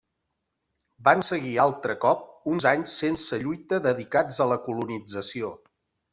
Van seguir altre cop uns anys sense lluita dedicats a la colonització.